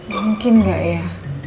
mungkin gak ya